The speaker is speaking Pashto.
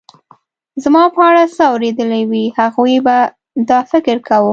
زما په اړه څه اورېدلي وي، هغوی به دا فکر کاوه.